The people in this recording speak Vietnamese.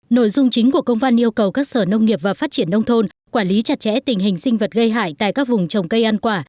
nội dung chính của công văn yêu cầu các sở nông nghiệp và phát triển nông thôn quản lý chặt chẽ tình hình sinh vật gây hại tại các vùng trồng cây ăn quả